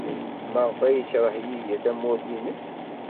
Maɣef ay yekṛeh Yidir tamurt-nnes?